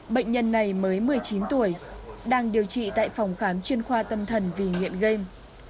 bệnh nhân này mới một mươi chín tuổi đang điều trị tại phòng khám chuyên khoa tâm thần vì nghiện game